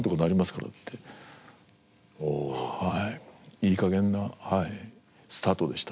いいかげんなはいスタートでした。